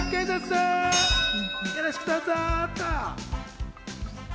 よろしくどうぞ。